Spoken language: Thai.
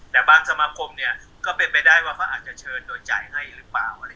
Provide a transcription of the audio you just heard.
แต่บางสมาคมเนี่ยก็เป็นไปได้ว่าเขาอาจจะเชิญโดยจ่ายให้หรือเปล่า